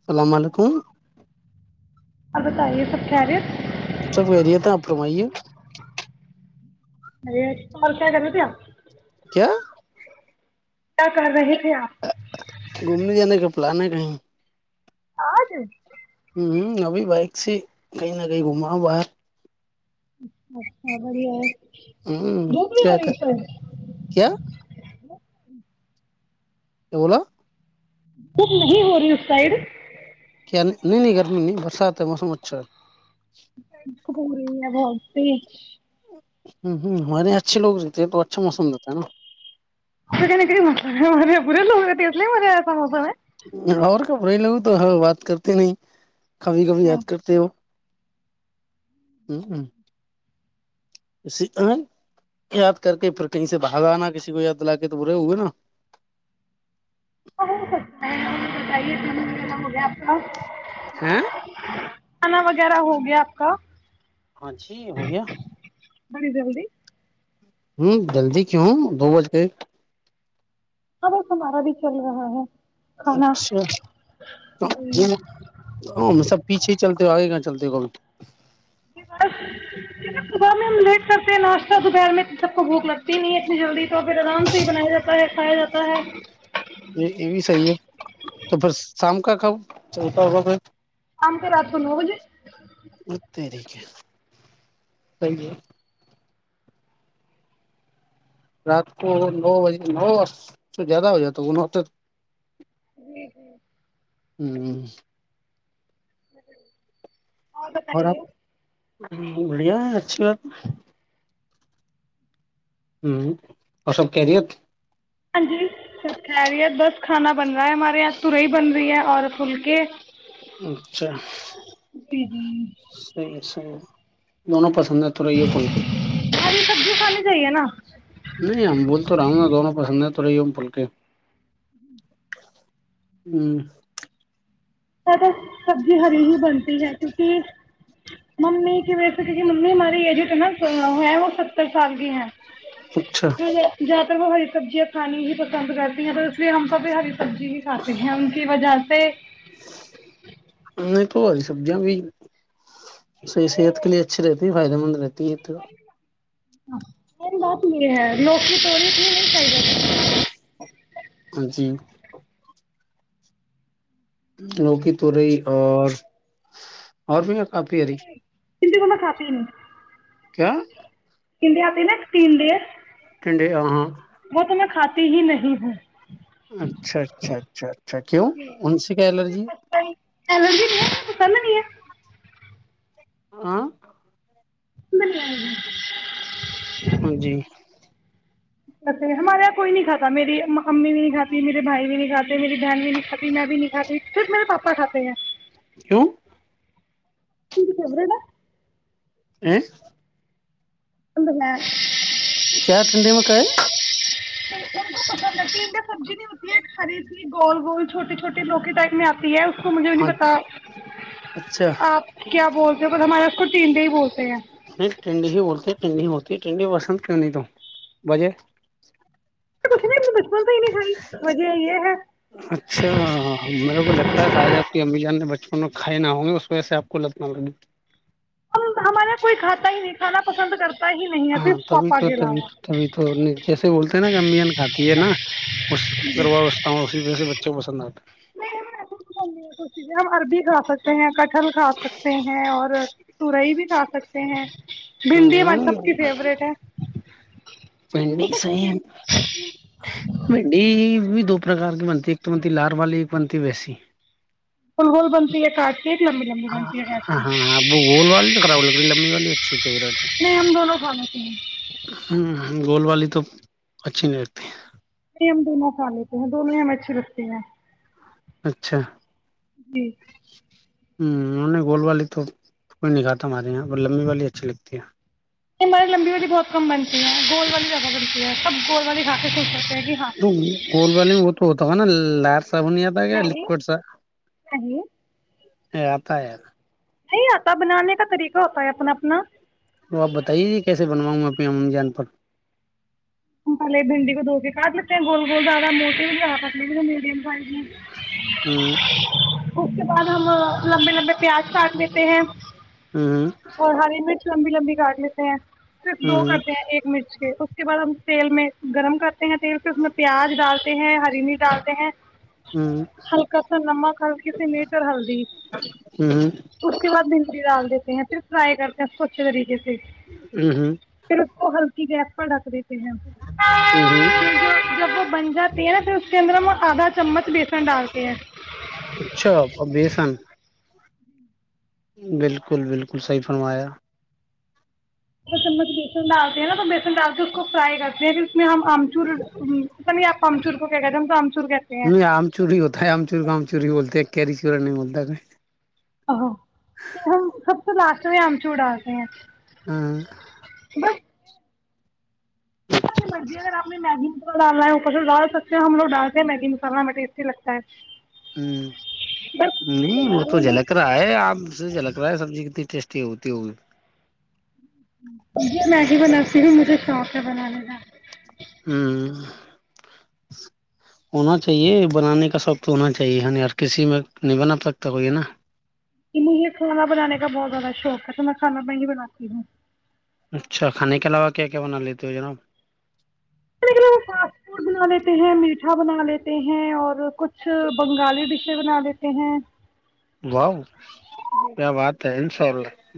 السلام علیکم کو آپ بتائیے سب کهریت سب کحریت آپ فرمائیے اور کیا کر رہا تھے اپ کیا گیا کر رہا گھومنے جانے کے پلان ہے کہیں آج ہوں ابھی بائک سے کہیں نہ کہیں گھما ہ باہر اچھا بڑیا ہے [inaudible] ہوں دھوپ نہیں ہو کیا رہی کر اس سائڈ کیا [inaudible] کیا بولا خود نہیں ہو رہی اس سائید [unintelligible] کیا نہیں نہیں نہیں گرمی نہیں برسات ہے موسم اچھا ہے [unintelligible] پچ ہ ہ ہمارے یہاں اچھے لوگ رہتے ہیں تو اچھا موسم رہتا ہے نا [unintelligible] [unintelligible] کبھی کبھی یاد کرتے ہو [unintelligible] اس یاد کر کے پھر کہیں سے بھاگ آنا کسی کو یاد دلا کے تو برے ہوئے نا [unintelligible] ہیں کھانا وغیرہ ہو گیا آپ کا ہاں جی ہو گیا بڑی جلدی ہوں جلدی کیو دو بج گئے ہاں بس ہمارا بھی چل رہا ہے کھانا اچھا سب پیچھے چلتا آئے گ چلد کول بس صبح میں ہم لیٹ کرتے ہیں ناشتہ دوپہر میں سب کو بھوک لگتی نہیں ہے جلدی تو پھر آرام سے ہی بنایا جاتا ہے کھایا جاتا ہے یہ یہ بھی صحیح ہے تو پھر شام کا کب چلتا ہوگا پھر شام کا رات کے نو بجے [inaudible] [inaudible] [unintelligible] [inaudible] [inaudible] [inaudible] اور آپ [unintelligible] [unintelligible] [unintelligible] [unintelligible] [inaudible] [unintelligible] [unintelligible] جی جی [inaudible] [inaudible] ہری سبزی کھانی [unintelligible] چاہیے نا [unintelligible] [unintelligible] [unintelligible] [inaudible] [inaudible] [unintelligible] [unintelligible] [unintelligible] اچھا [unintelligible] [unintelligible] [unintelligible] [unintelligible] [unintelligible] [inaudible] [unintelligible] [inaudible] [unintelligible] [unintelligible] [unintelligible] [unintelligible] [unintelligible] [unintelligible] اچھا اچھا اچھا اچھا کیوں ان سے کیا الرجی ہے [unintelligible] ہاں [unintelligible] ہاں جی اے ہمارے یہاں کوئی نہیں کھاتا میری امی بھی نہیں کھاتی میرے بھائی بھی نہیں کاتے میری بہن بھی نہیں کھاتی میں بھی نہیں کھاتی صرف میرے پاپا کھاتے ہیں کیوں [unintelligible] [unintelligible] [unintelligible] کیا ٹھنڈی مک ہے [unintelligible] تو مجھے بھی نہیں ہے پتا اچھا آپ کیا بولتے ہو ب ہمارے ک چینے ہی بولت نہیں ٹنڈ ہی بولتے ہیں ٹنڈ ہی بولتے ت ٹھنڈی پسند کرنی تو بجے تو کچھ نہیں نے بچپن تو ہی نہیں کھائی وجیا یہ ہے اچھا میرے کو لگتا ہے شاہ جہب کی امی جان نے بچ کھائے نہ ہوں گے اس وجہ سے آپ کو لتنا لگے ہم ہمارے یہاں کوئی کھاتا ہی نہیں کھانا پسند کرتا ہی نہیں ہے صرف پاپا کے علاوہ [unintelligible] اسی وج سے بچوں پسند [unintelligible] [unintelligible] کٹہل کھا سکتے ہیں اور تورئی بھی آ سکتے ہیں ہے بھندی ہماری ہاں سب کی فیوریٹ ہے بھنڈی سیم بھنڈی دو پرکار کی بنتی ایک تو بنتی لار والی ایک بنتی ویسی فل ہول بنتی ہے کٹ ہاں ہاں اب بول وال کرا ل کر ہم وال ف ہے نہیں ہم دونوں کھا لیتے ہیں ہ گول والی تو اچھی نہیں لگتی نہیں ہم دونوں کھا لیتے ہیں دونوں ہی ہم اچھی لگتی ہیں اچھا [unintelligible] ہ انہوں نے گولڈ والی توئی نہیں کھاتا ہمارے یہاں پر لمبی والی اچھی لگتی ہے یہ ہماراری لمبی ہولی بہت کم بنتیی گول والی جگہ بنتی ہے سب گول والی کا کے سو سکتے ہیں کہ ہاں تو گول والے میں ب تو تو ہے نا لاس س بنیا تھا کیا نہیں لکویڈ س نہیں یہ آت ہے ار نہیں آتا بنانے کا طریقہ ہوتا ہے اپنا اپنا تو آپ بتائیے جی کیسے بنواؤں گا اپنی ا جان پر ملے بھنڈی کو دھو کے کاٹ لیتے ہیں گول گول زیادہ موٹی میڈیم ہ ہوں اس کے بعد ہم لمبے لمبے پیاز کاٹ لیتے ہیں ہوں اور ہری مرچ لمبی لمبی کاٹ لیتے ہیں صرف دو ہوں کرتے ہیں ایک مرچ کے اس کے بعد ہم تیل میں گرم کر تیل سے اس میں پیاز ڈالتے ہیں ہرینی ڈالتے ہیں ہوں ہلکا سا نمک ہلکی سی میٹ اور ہلدی ہوں اس کے بعد پی ڈال دیتے ہیں پھر فرائی کرتے ہیں سوچھ طریقے سے ہوں پھر کو ہلکا کی گیپ پڑک رہ جب ہوں ہوں۔ بنجہ تیرہ تر چندرم اور آدا چمچ بی ن ڈالتے ہیں اچھا اور بیسن بالکل بالکل صحیح فرمایا چمچ بیسن ڈالتے ہیں نا تو بیسن ڈال کے اس کو فرائی کرتے ہیں پھر اس میں ہم آمچور تو نہیں آپ امچور کو کہا ن آم چوری ہوت ہے آم چور کام چور بولتے کیری چور نہیں بولتا ا ہم سب سے لاسٹ میں آمچو ڈالتے ہیں ہاں بس آپ کی مرضی اگر آپ نے میگی متوا ڈالا ہو پچو ڈال سکتے ہیں ہم لوگ ڈالتے ہیں میگی ایسی لگتا ہے ہ بس نہیں وہ یار تو میں بھی جھلک رہا ہے آپ سے جھلک رہا ہے سبزی کتنی ٹیسٹ ہوتے ہو [unintelligible] میگی بناتی بھی مجھے شوق ہے بنانے کا [unintelligible] ہ ہونا چاہیے بنانے کا شوق تو ہونا چاہیے ہر کسی میں نہیں بنا سکتا کو یہ نا مجھے کھانا بنانے کا بہت زیادہ شوق ہے تو میں کھانا میں ہی بناتی ہوں تو ہو جناا [unintelligible] فاسٹ فوڈ بنا لیتے ہیں میٹھا بنا لیتے ہیں اور کچھ بنگالی ڈشے بنا لیتے ہیں وااو کیا بات ہے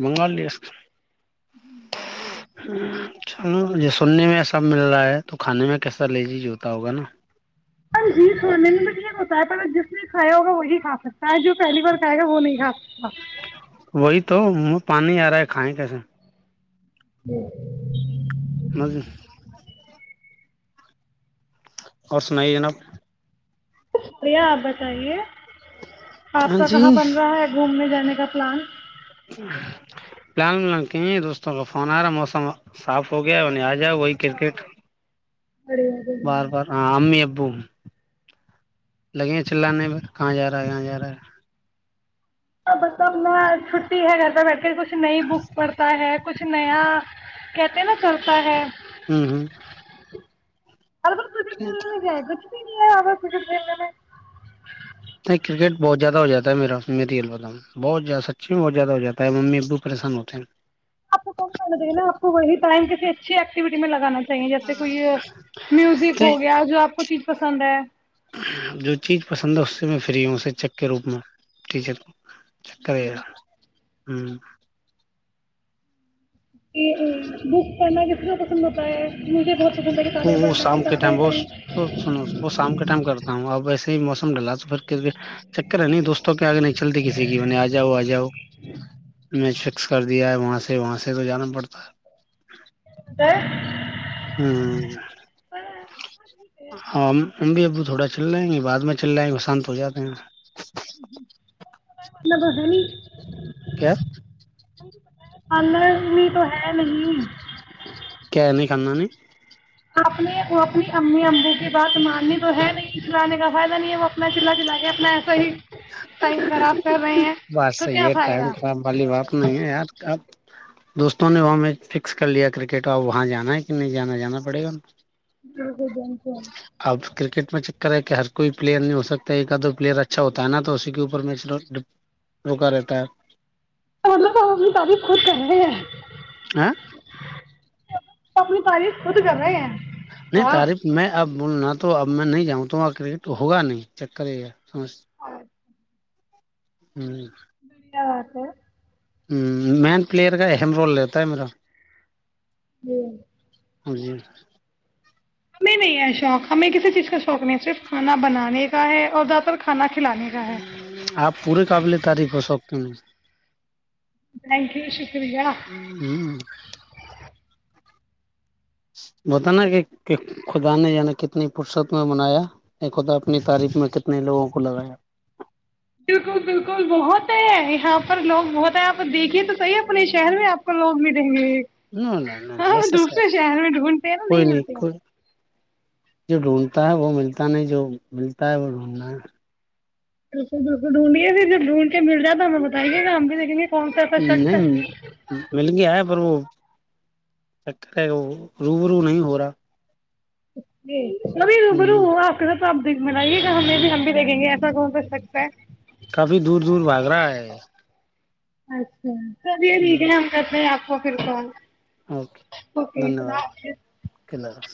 بنگالی اس [unintelligible] ہ ہ [inaudible] چ ج سننے میں سب مل رہا ہے تو کھانے میں کیسا لزیز ہوتا ہوگا نا جی کھانے میں ٹھیک ہوتا ہے پر جس نے کھیا ہوگا وہی کھا سکتا ہے جو پہلی بار کھائے گا وہ نہیں کھا ا [inaudible] وہی تو وہ پانی آ رہا ہے کھائےیں کیسے ہ [inaudible] مجے [unintelligible] اور سنائیے جناب بیا آپ بتائیے آپ ہاں کا جی کہاں بن رہا ہے گھومنے جا کا پلان [unintelligible] پلان ولان کہ دوستوں کا فون آ رہا ہے موسم صاف ہو گیا نہیں آ جاؤ وہی کرکٹ بڑھیا بار بار ہاں امی ابو لگے چللانے میں کہاں جا رہا ہے کہاں جا رہا ہے مطلب میں چھٹی ہے گھر پہ بیٹھ کے کچھ کچھ نئی بک پڑھتا ہے کچھ نیا کہتے نا چلتا ہے [unintelligible] ہوں ہوں [unintelligible] آ بچ [unintelligible] آ س [inaudible] ا مری البم بہت زہ سچ میں بہت زیاد ہو جاتا ہے ممی ابو پریشان ہوتے ہیں آپ کوم کرنا دے نا آپ کو وہی ٹائم کسی اچھی ایکٹیویٹی میں لگانا جیسے کوئی میوزک ہیں ہو گیا جو آپ کو چی پسند ہے [inaudible] جو چیز پسند ہے اس سے میں فری ہوں سے چک کے روپ میں ٹچر چکر [unintelligible] ہوں [unintelligible] بک پڑھنا کتنا پسند ہوتا ہے مجھے بہت پسند ہے وہ کتابیں وہ پڑھنا شام کے ٹائم کتابیں وہ سنو وہ شام کے ٹائم کرتا ہوں اب ایسے موسم ڈالا تو پھر کر کے چکر ہے نہیں دوستوں کے [inaudible] کیاگ نہیں چلتی کسی کی بنی آ جاؤ آ جاؤ [inaudible] میں فکس کر دیا ہے وہاں سے وہاں سے تو جانا پڑھتا ہے پڑھنا ہاں امی ابو تھوڑا چل جائیں گے بعد میں چل جائیں گے شانت ہو جاتے ہیں مطلب ہے نہیں کیا پارلر بھی تو ہے نہیں کیا نہیں کانا نہیں [inaudible] اپنے وہ اپنے امی امبو کی بات مانتے تو ہے نہیں چلانے کا فائدہ نہیں ہے وہ اپنا چلا چلا کے اپنا ایسا ہی ٹائم خراب کر رہے ہیں بات تو صحیح کیا ہے ٹائم فائدہ خراب والی بات نہیں ہے یار اب دوستوں نے وہ میچ فکس کر لیا کرکٹ اب وہاں جانا ہے کہ نہیں جانا جانا پڑے گا ہ [unintelligible] اب کرکٹ میچ کر ہے کہ ہر کوئی پلیئر نہیں ہو سکتا ایکد دو پلیئر اچھا ہوتا ہے نا تو اسی کے اوپر میچ روکا رہتا ہے مطلب ہم اپنی تعریف خود کر رہے ہیں ہاں اپنی تعریف خود کر رہے ہیں نہیں واہ تعریف میں اب نہ تو اب میں نہیں جاؤں تو کریکٹ ہوگا نہیں چکر یہی ہے سمس [unintelligible] ہمم کیا بات ہے ہمم میم پلیئر کا اہم رول رہتا ہے میرا جی جی ہمیں نہیں ہے شوق ہمیں کسی چیز کا شوق نہیں صرف کھانا بنانے کا ہے اور زیادہ تر کھانا کھلانے کا ہے آپ پوری قابل تعریف ہو سکتے ت تھینک یو شکریہ بتانا کہ خدا نے یعنی کتنی فرصت میں بنایا اے خدا اپنی تعریف میں کتنے لوگوں کو لگایا بالکل بالکل بہت ہے یہاں پر لوگ بہت ہیں آپ دیکھیے تو صحیح اپنے شہر میں آپ کو لوگ ملینگے نو نہ نہ ہاں ایسے سے دوسرے شہر میں ڈھونڈتے ہیں نا کوئی نہیں ملتے ہے کوئی جو ڈھونڈتا ہے وہ ملتا نہیں جو ملتا ہے وہ ڈھونڈنا بالکل بالکل ڈھونڈیے پھر جب ڈھونڈکے مل جائے تو ہمیں بتائیے گا ہم بھی دیکھیں گے کون سا ایسا شخص ہے نہیں مل گیایا پر وہ چکر ہے وہ روبرو نہیں ہو رہا جی ابیرو برو ہ آپ کے آپ دیکھ ملائیے گا ہمیں بھی ہم بھی دیکیں گے ایسا کون س سکتا ہے کافی دور دور بھاگ رہا ہے اچھا چلیے ٹھیک ہے ہم کرتے ہیں آپ کوکرک ہوں اوکے دھنیہ واد ک اللہ حافظ